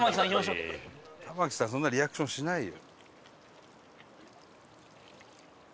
玉木さんそんなリアクションしないよ。